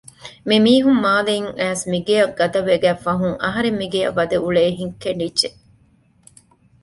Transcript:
މިމީހުން މާލެއިން އައިސް މިގެޔަށް ގަދަވެގަތް ފަހުން އަހަރެން މިގެޔަށް ވަދެއުޅޭ ހިތް ކެނޑިއްޖެ